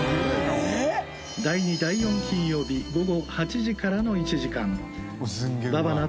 第２第４金曜日午後８時からの１時間ばばな